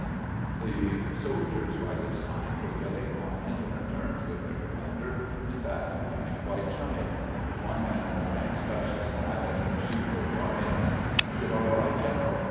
153 154 CAMPAIGNING WITH GEANT The soldiers by this time were getting on intimate terms with their commander— in fact, becoming quite chummy. One man in the ranks touched his hat as the chief rode by, and asked, " Is it all right, general